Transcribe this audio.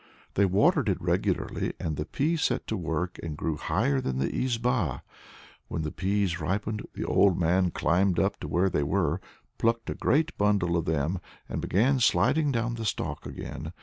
They watered it regularly, and the pea set to work and grew higher than the izba. When the peas ripened, the old man climbed up to where they were, plucked a great bundle of them, and began sliding down the stalk again.